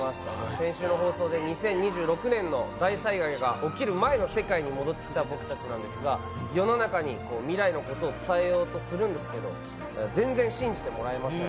先週の放送で２０２６年の大災害が起きる前の世界に戻ってきた僕たちなんですが、世の中に未来のことを伝えようとするんですけど全然信じてもらえません。